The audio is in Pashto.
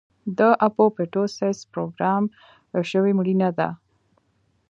د اپوپټوسس پروګرام شوې مړینه ده.